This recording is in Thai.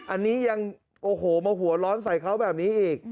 อันนี้ยังโอ้โหมาหัวร้อนใส่เขาแบบนี้อีก